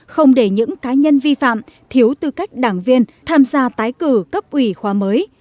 không để những cá nhân vi phạm thiếu tư cách đảng viên tham gia tái cử cấp ủy khoa mới